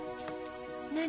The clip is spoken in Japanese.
何？